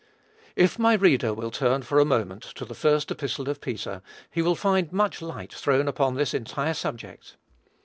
If my reader will turn for a moment to the First Epistle of Peter, he will find much light thrown upon this entire subject.